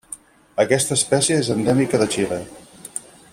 Aquesta espècie és endèmica de Xile.